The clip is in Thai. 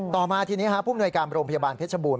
ต่อมาทีนี้ภูมิหน่วยการโรงพยาบาลเพชรบูรณ์